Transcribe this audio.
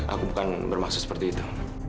aku bukan bermaksud seperti itu